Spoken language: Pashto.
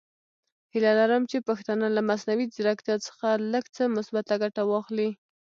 هیله لرم چې پښتانه له مصنوعي زیرکتیا څخه لږ څه مثبته ګټه واخلي.